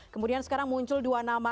kemudian sekarang muncul dua nama